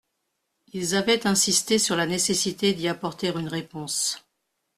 Ils avaient insisté sur la nécessité d’y apporter une réponse.